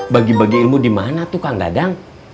bagi bagi ilmu dimana tuh kang dadang